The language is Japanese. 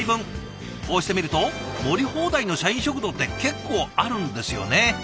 こうして見ると盛り放題の社員食堂って結構あるんですよね。